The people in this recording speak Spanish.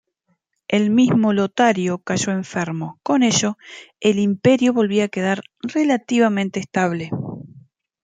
El mismo Lotario cayó enfermo; con ello, el Imperio volvía a quedar relativamente estable.